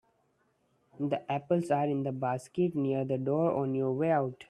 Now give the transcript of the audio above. The apples are in the basket near the door on your way out.